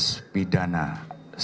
dan kita akan melakukan proses bidana